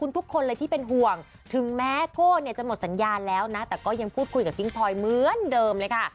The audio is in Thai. ทุกคนเลยที่เป็นห่วงถึงแม้โก้เนี่ยจะหมดสัญญาแล้วนะแต่ก็ยังพูดคุยกับกิ๊งพลอยเหมือนเดิมเลยค่ะ